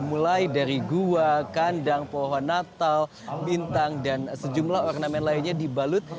mulai dari gua kandang pohon natal bintang dan sejumlah ornamen lainnya dibalut